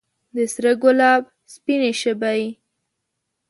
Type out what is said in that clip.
د سره ګلاب سپینې شبۍ